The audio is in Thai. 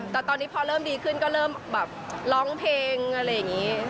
แต่ตอนนี้พอเริ่มดีขึ้นก็เริ่มแบบร้องเพลงอะไรอย่างนี้